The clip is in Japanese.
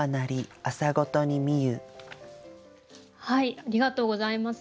ありがとうございます。